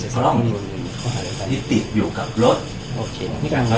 กรณีที่ติดอยู่กับรถแล้วได้ตรวจสอบจุดนี้ได้ยังไง